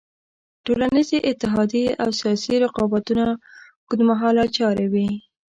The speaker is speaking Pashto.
ټولنیزې اتحادیې او سیاسي رقابتونه اوږد مهاله چارې وې.